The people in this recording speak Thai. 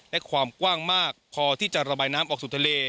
และความกว้างมากพอที่จะระบายน้ำออกสู่ทะเล